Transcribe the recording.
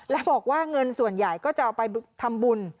แล้วบอกว่าเงินส่วนใหญ่ก็จะเอาไปทำบุญ